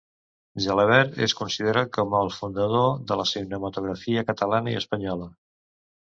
Gelabert és considerat com el fundador de la cinematografia catalana i espanyola.